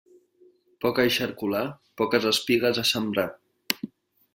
Poc eixarcolar, poques espigues a sembrar.